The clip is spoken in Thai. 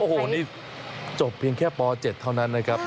โอ้โหนี่จบเพียงแค่ป๗เท่านั้นนะครับ